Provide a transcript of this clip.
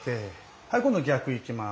はい今度は逆いきます。